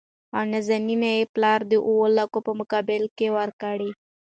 او نازنين يې پلار د اوولکو په مقابل کې ورکړه .